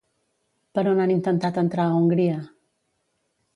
Per on han intentat entrar a Hongria?